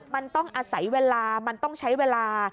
มันต้องอาศัยเวลามันต้องใช้เวลา